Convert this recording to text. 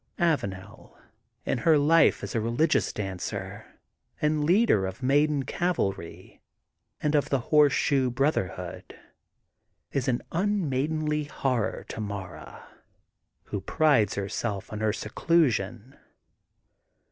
Avanel in her life as a reli gious dancer and leader of maiden cavalry and of the Horseshoe Brotherhood, is an un maidenly horror to Mara, who prides herself on her seclusion.